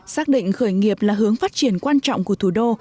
xác định khởi nghiệp là hướng phát triển quan trọng của thủ đô